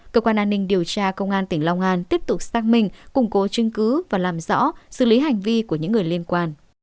cơ quan an ninh điều tra công an tỉnh long an tiếp tục xác minh củng cố chứng cứ và làm rõ xử lý hành vi của những người liên quan